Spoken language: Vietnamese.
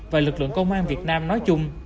và lực lượng công an việt nam nói chung